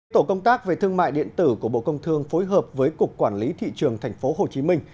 tổ công tác về thương mại điện tử của bộ công thương phối hợp với cục quản lý thị trường thành phố hồ chí minh